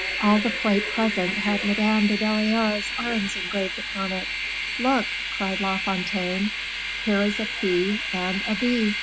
All the plate present had Madame de Belliere's arms engraved upon it. "Look," cried La Fontaine, "here is a P and a B."